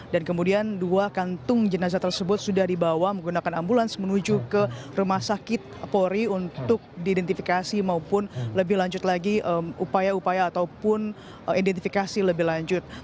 dan kemudian dua kantung jenazah tersebut sudah dibawa menggunakan ambulans menuju ke rumah sakit pori untuk diidentifikasi maupun lebih lanjut lagi upaya upaya ataupun identifikasi lebih lanjut